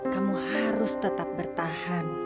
kamu harus tetap bertahan